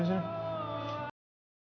saya tunggu di luar ya